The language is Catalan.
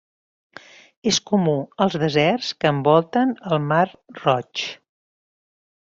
És comú als deserts que envolten el mar Roig.